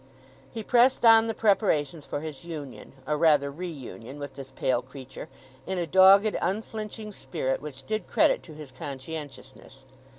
He pressed on the preparations for his union, or rather reunion, with this pale creature in a dogged, unflinching spirit which did credit to his conscientiousness.